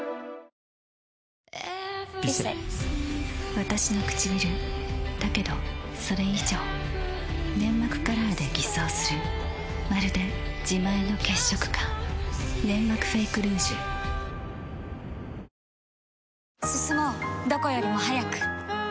わたしのくちびるだけどそれ以上粘膜カラーで偽装するまるで自前の血色感「ネンマクフェイクルージュ」「ヴィセ」